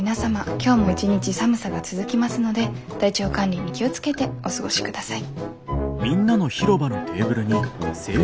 今日も一日寒さが続きますので体調管理に気を付けてお過ごしください。